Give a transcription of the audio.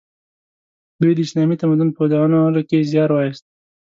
دوی د اسلامي تمدن په ودانولو کې زیار وایست.